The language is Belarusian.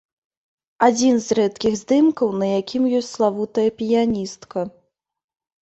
Адзін з рэдкіх здымкаў, на якім ёсць славутая піяністка.